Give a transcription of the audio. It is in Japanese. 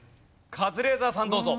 カズレーザーさんどうぞ。